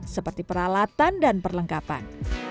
seperti peralatan dan perlengkapan